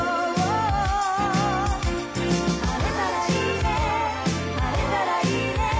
「晴れたらいいね晴れたらいいね」